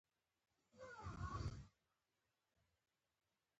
هرات د ټولو افغانانو ژوند اغېزمن کوي.